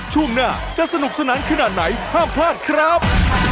ช่วงหน้าจะสนุกสนานขนาดไหนห้ามพลาดครับ